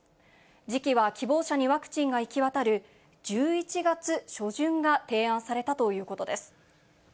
時期は希望者にワクチンが行き渡る１１月初旬が提案されたということです。